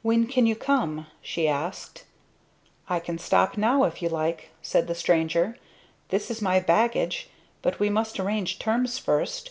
"When can you come?" she asked. "I can stop now if you like," said the stranger. "This is my baggage. But we must arrange terms first.